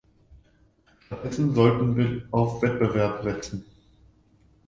Stattdessen sollten wir auf Wettbewerb setzen.